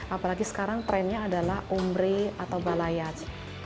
apalagi sekarang trendnya adalah umri atau balayat